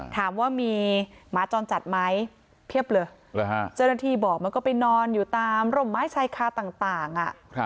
ถามว่ามีหมาจรจัดไหมเพียบเลยเจ้าหน้าที่บอกมันก็ไปนอนอยู่ตามร่มไม้ชายคาต่าง